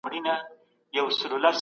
بندوي چي قام په دام کي د ښکاریانو